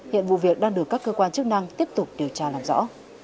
hiện vụ việc đang được các cơ quan chức năng tiếp tục điều tra làm rõ